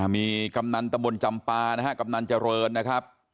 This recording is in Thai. มีกำนันตะบลจำปลากำนันเจริญนะครับ